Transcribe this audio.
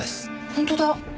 本当だ。